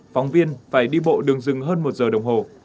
phóng viên phải đi bộ đường rừng hơn một giờ đồng hồ